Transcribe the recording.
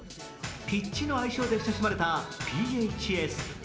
ピッチの愛称で親しまれたＰＨＳ。